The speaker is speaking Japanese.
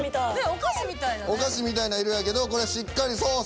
お菓子みたいな色やけどこれしっかりソース。